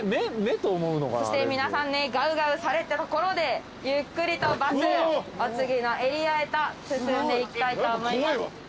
そして皆さんねガウガウされたところでゆっくりとバスお次のエリアへと進んでいきたいと思います。